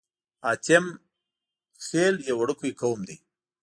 حاتم خيل يو وړوکی قوم دی.